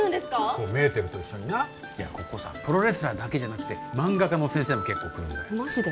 そうメーテルと一緒にないやここさプロレスラーだけじゃなくて漫画家の先生も結構来るんだよマジで？